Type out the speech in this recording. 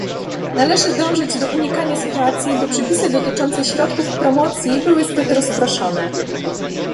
Należy dążyć do unikania sytuacji, by przepisy dotyczące środków promocji były zbyt rozproszone